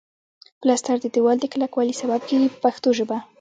پلستر د دېوال د کلکوالي سبب کیږي په پښتو ژبه.